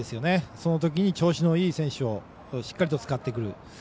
そのときに調子のいい選手をしっかりと使ってくる。